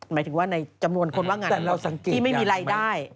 หมายถึงว่าในจำนวนคนว่างงานที่ไม่มีรายได้